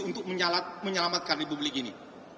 untuk menyelamatkan republik ini